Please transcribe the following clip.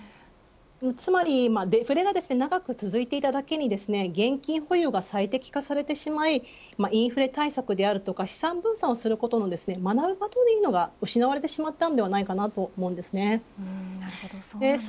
つまりデフレが長く続いていただけに現金保有が最適化されてしまいインフレ対策であるとか資産分散することを学ぶことが失われてしまったのではないかと思うんです。